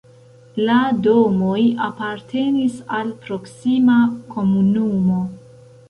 La domoj apartenis al proksima komunumo.